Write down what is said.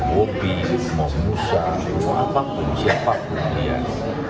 mau bobi mau musa mau apapun siapapun